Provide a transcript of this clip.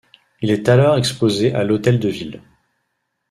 Il est alors exposé à l’Hôtel de Ville.